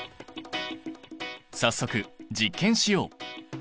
早速実験しよう！